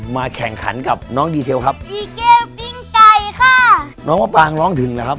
แข่งขันกับน้องดีเทลครับดีเกลปิ้งไก่ค่ะน้องมะปางร้องถึงนะครับ